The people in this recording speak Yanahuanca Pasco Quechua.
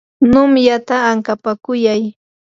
numyata ankapakuyay.